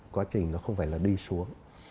quá trình nó không phải là đi xuống